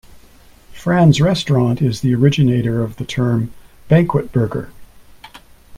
Fran's Restaurant is the originator of the term "Banquet Burger".